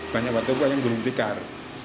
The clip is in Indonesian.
banyak warteg warteg yang belum tikar